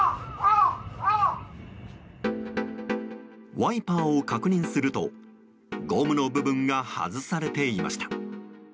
ワイパーを確認するとゴムの部分が外されていました。